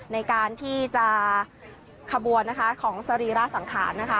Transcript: ในการที่จะขบวนนะคะของสรีระสังขารนะคะ